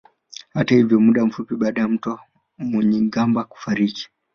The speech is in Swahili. Hata hivyo muda mfupi baada ya Mtwa Munyigumba kufariki